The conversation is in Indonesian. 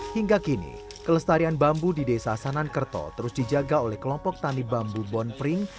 hingga kini kelestarian bambu di desa sanankerto terus dijaga oleh kelompok tani bambu bon pring